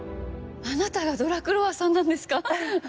あなたがドラクロワさんなんですか？